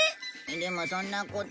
でもそんなこと。